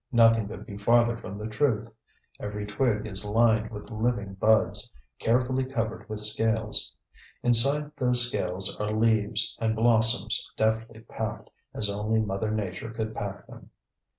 Nothing could be farther from the truth. Every twig is lined with living buds, carefully covered with scales. Inside those scales are leaves and blossoms deftly packed, as only Mother Nature could pack them.